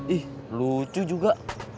ih lucu juga